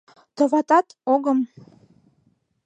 Товатат, огым.